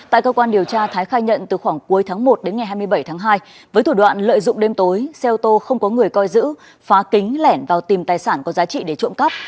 tại cơ quan điều tra thái khai nhận từ khoảng cuối tháng một đến ngày hai mươi bảy tháng hai với thủ đoạn lợi dụng đêm tối xe ô tô không có người coi giữ phá kính lẻn vào tìm tài sản có giá trị để trộm cắp